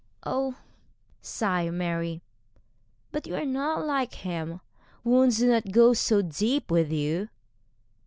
'Oh!' sighed Mary, 'but you are not like him; wounds do not go so deep with you.'